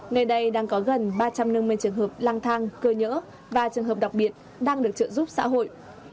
nơi đây đang có gần ba trăm năm mươi trường hợp lang thang cơ nhỡ và trường hợp đặc biệt đang được trợ giúp xã hội